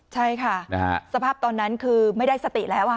ใช่ค่ะสภาพตอนนั้นคือไม่ได้สติแล้ว